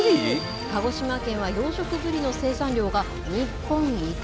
鹿児島県は養殖ブリの生産量が日本一。